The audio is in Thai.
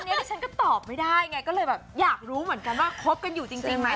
อันนี้ฉันก็ตอบไม่ได้ไงก็เลยแบบอยากรู้เหมือนกันว่าคบกันอยู่จริงไหม